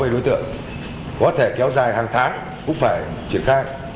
đối tượng có thể kéo dài hàng tháng cũng phải triển khai